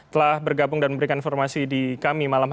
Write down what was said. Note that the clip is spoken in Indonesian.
telah bergabung dan memberikan informasi di kami